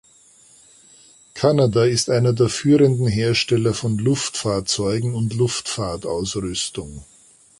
Kanada ist einer der führenden Hersteller von Luftfahrzeugen und Luftfahrtausrüstung.